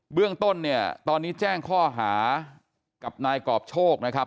เรื่องต้นเนี่ยตอนนี้แจ้งข้อหากับนายกรอบโชคนะครับ